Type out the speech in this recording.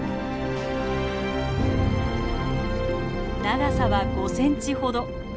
長さは５センチほど。